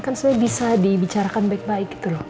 kan sebenarnya bisa dibicarakan baik baik gitu loh